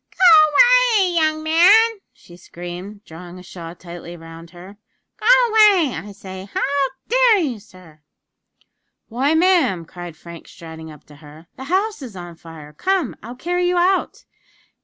"Go away, young man!" she screamed, drawing a shawl tightly round her. "Go away, I say! how dare you, sir?" "Why, ma'am," cried Frank, striding up to her; "the house is on fire! Come, I'll carry you out."